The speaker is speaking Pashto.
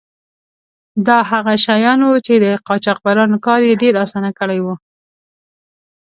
دا هغه شیان وو چې د قاچاقبرانو کار یې ډیر آسانه کړی و.